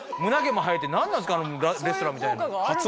何なんですかあのレスラーみたいな。